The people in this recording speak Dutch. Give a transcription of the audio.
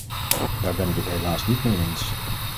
Daar ben ik het helaas niet mee eens.